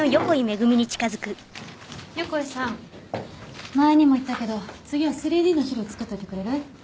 横井さん前にも言ったけど次は３Ｄの資料を作っといてくれる？